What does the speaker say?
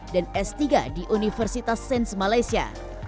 dan s tiga di universitas sains malaysia